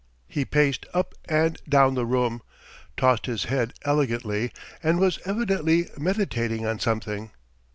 He paced up and down the room, tossed his head elegantly, and was evidently meditating on something.